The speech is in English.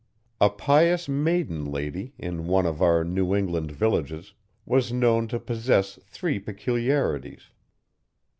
A pious maiden lady, in one of our New England villages, was known to possess three peculiarities.